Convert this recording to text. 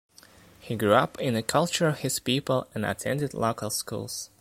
He grew up in the culture of his people and attended local schools.